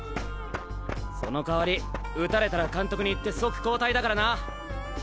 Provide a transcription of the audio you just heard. その代わり打たれたら監督に言って即交代だからな。